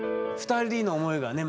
２人の思いがね